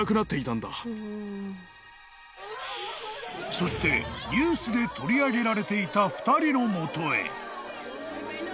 ［そしてニュースで取り上げられていた］